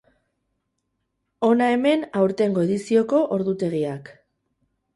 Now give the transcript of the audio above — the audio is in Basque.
Hona hemen aurtengo edizioko ordutegiak.